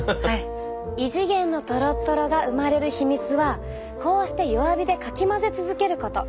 異次元のとろっとろが生まれる秘密はこうして弱火でかき混ぜ続けること！